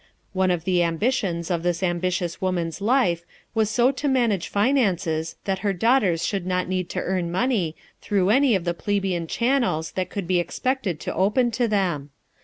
One of the ambitions of this ambitious woman's life was so to manage finances that her daughters should not need to earn money through any of the plebeian channels that could be expected to open to them.